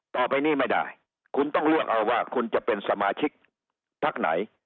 ต่อไปนี้ไม่ได้คุณต้องเลือกเอาว่าคุณจะเป็นสมาชิกพักไหน